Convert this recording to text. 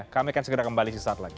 kami akan segera kembali sesaat lagi